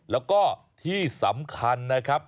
แล้วก็ที่สำคัญนะครับ